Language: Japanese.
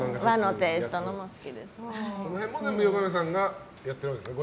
そこら辺も横山さんが全部やってるわけですね。